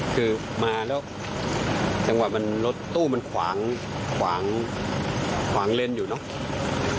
คือมาแล้วจังหวะมันรถตู้มันขวางขวางเล่นอยู่เนอะ